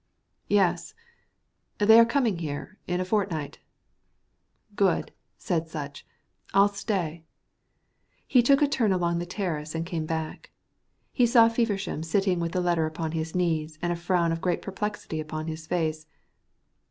"Yes. They are coming here in a fortnight." "Good," said Sutch. "I shall stay." He took a turn along the terrace and came back. He saw Feversham sitting with the letter upon his knees and a frown of great perplexity upon his face.